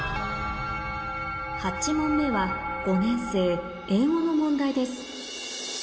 ８問目は５年生英語の問題です